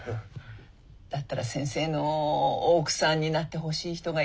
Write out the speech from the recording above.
だったら先生の奥さんになってほしい人がいるんだけど。